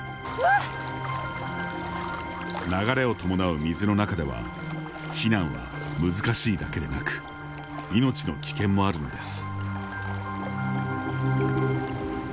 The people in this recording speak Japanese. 流れを伴う水の中では避難は難しいだけでなく命の危険もあるのです。